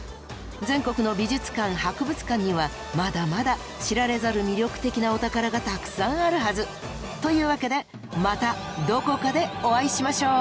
全国の美術館・博物館にはまだまだ知られざる魅力的なお宝がたくさんあるはず！というわけでまたどこかでお会いしましょう！